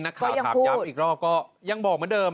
นักข่าวถามย้ำอีกรอบก็ยังบอกเหมือนเดิม